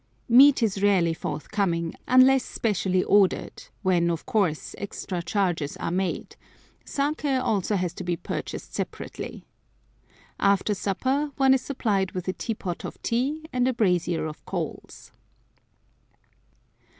Meat is rarely forthcoming, unless specially ordered, when, of course, extra charges are made; sake also has to be purchased separately. After supper one is supplied with a teapot of tea and a brazier of coals.